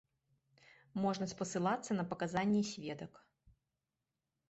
Можна спасылацца на паказанні сведак.